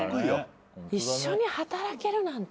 一緒に働けるなんて。